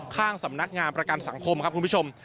ข้างสำนักงานประกันสังคมครับคุณผู้ชม